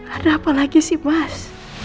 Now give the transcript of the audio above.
ada apa lagi sih mas